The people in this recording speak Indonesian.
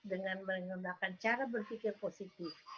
dengan menggunakan cara berpikir positif